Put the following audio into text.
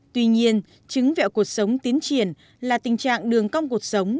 tuy nhiên chứng vẹo cuộc sống tiến triển là tình trạng đường cong cuộc sống